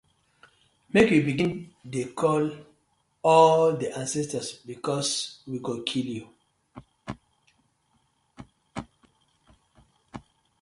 Mek yu begin de call all de ancestors because we go kill yu.